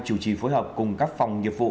chủ trì phối hợp cùng các phòng nghiệp vụ